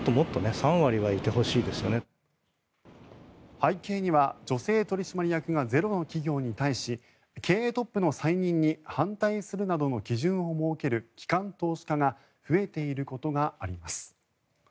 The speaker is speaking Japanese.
背景には女性取締役がゼロの企業に対し経営トップの再任に反対するなどの基準を設ける機関投資家が増えていることがあります。